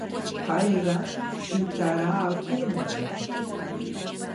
Payqa hitaraakunmi.